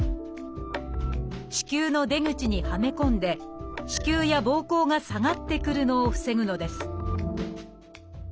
子宮の出口にはめ込んで子宮やぼうこうが下がってくるのを防ぐのです